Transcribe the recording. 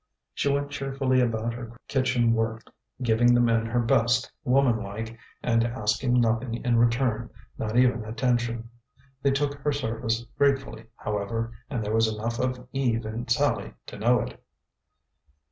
She went cheerfully about her kitchen work, giving the men her best, womanlike, and asking nothing in return, not even attention. They took her service gratefully, however, and there was enough of Eve in Sallie to know it.